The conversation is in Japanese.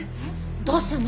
どうすんの？